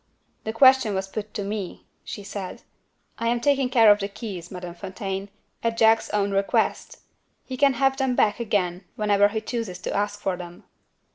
"The question was put to me," she said. "I am taking care of the keys, Madame Fontaine, at Jack's own request. He can have them back again, whenever he chooses to ask for them."